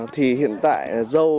thì hiện tại là dâu